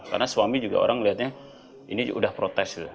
karena suami juga orang melihatnya ini udah protes gitu